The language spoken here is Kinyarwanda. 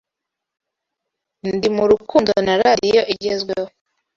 Ndi mu rukundo na radiyo igezweho